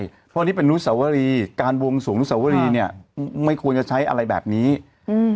เพราะอันนี้เป็นนุสวรีการวงสวงอนุสวรีเนี้ยไม่ควรจะใช้อะไรแบบนี้อืม